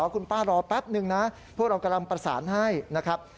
คุณป้ารอแป๊บนึงนะพวกเรากำลังประสานให้นะครับ